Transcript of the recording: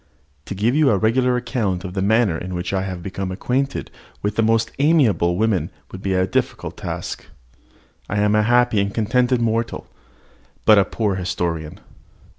To give you a regular account of the manner in which I have become acquainted with the most amiable of women would be a difficult task. I am a happy and contented mortal, but a poor historian.